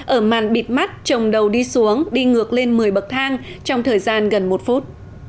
ở màn bịt mắt trồng đầu đi xuống đi ngược lên một mươi bậc thang trong thời gian gần một phút